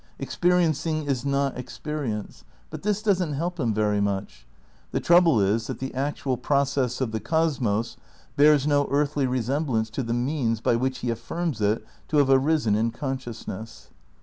Experiencing is not experience. But this doesn't help him very much. The trouble is that the actual process of the cosmos bears no earthly resemblance to the means by which he affirms it to have arisen in consciousness.